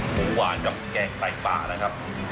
หมูหวานกับแกงไต่ป่านะครับ